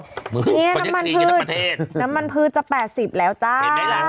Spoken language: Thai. อันนี้น้ำมันพื้นน้ำมันพื้นจะแปดสิบแล้วจ้า